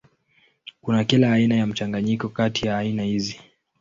Kuna kila aina ya mchanganyiko kati ya aina hizi.